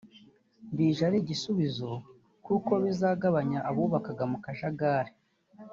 bije ari igisubizo kuko bizagabanya abubakaga mu kajagali